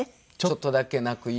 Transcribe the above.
ちょっとだけ鳴く犬。